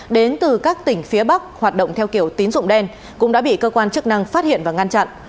đến từ các tỉnh phía bắc hoạt động theo kiểu tín dụng đen cũng đã bị cơ quan chức năng phát hiện và ngăn chặn